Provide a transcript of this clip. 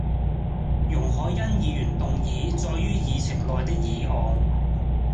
容海恩議員動議載於議程內的議案